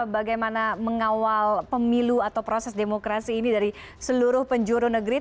bagaimana mengawal pemilu atau proses demokrasi ini dari seluruh penjuru negeri